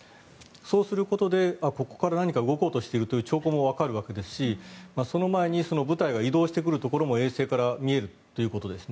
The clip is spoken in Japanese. そうすることで、ここから何か動こうとしているという兆候もわかるわけですしその前に部隊が移動してくるところも衛星から見えるということですね。